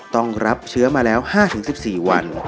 ต้องรับเชื้อมาแล้ว๕๑๔วัน